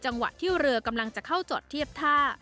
จังหวะที่เรือกำลังจะเข้าจอดเทียบท่า